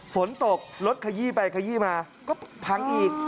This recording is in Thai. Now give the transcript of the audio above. ฝนตกรถขยี้ไปขยี้มาก็พังอีก